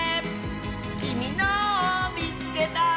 「きみのをみつけた！」